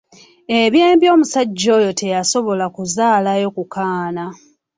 Eby'embi omusajja oyo teyasobola kuzaalayo ku kaana.